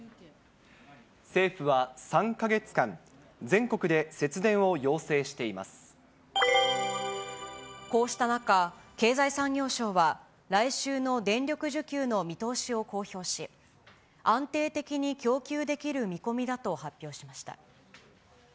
政府は３か月間、全国で節電こうした中、経済産業省は、来週の電力需給の見通しを公表し、安定的に供給できる見込みだと発表しました。